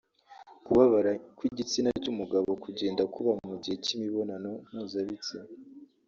Kubabara kw’igistina cy’umugabo kugenda kuba mu gihe cy’imibonano mpuzabitsina